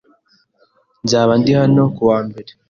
Nzaba ndi hano kuwa mbere.